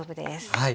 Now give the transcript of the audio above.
はい。